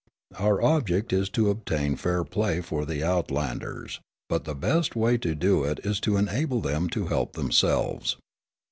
Our object is to obtain fair play for the outlanders, but the best way to do it is to enable them to help themselves."